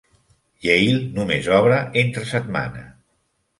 Yale només obre entre setmana.